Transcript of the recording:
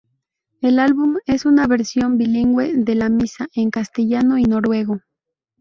El álbum es una versión bilingüe de la Misa, en castellano y noruego.